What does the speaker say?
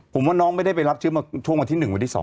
ผมว่าน้องไม่ได้ไปรับเชื้อมาช่วงวันที่๑วันที่๒